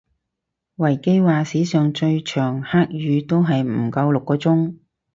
維基話史上最長黑雨都係唔夠六個鐘